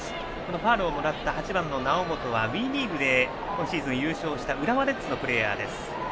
ファウルをもらった８番の猶本はＷＥリーグで今シーズン優勝した浦和レッズのプレーヤーです。